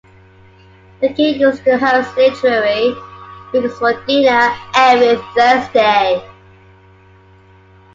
The King used to host literary figures for dinner every Thursday.